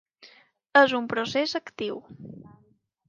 És un procés actiu.